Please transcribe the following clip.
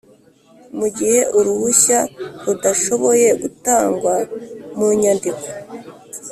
Mu gihe uruhushya rudashoboye gutangwa munyandiko